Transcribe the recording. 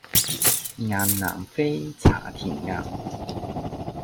雁南飛茶田鴨